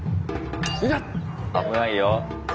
危ないよ。